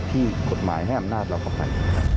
ที่กฎหมายให้อำนาจเราเข้าไป